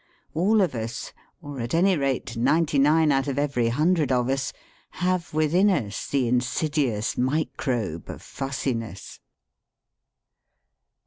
All of us — or at any rate ninety nine out of every hundred of us — ^have within us the insidious microbe of fussiness.